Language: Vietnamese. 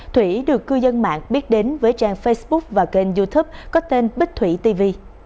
thủy được cư dân mạng biết đến với trang facebook và kênh youtube có tên bích thủy tv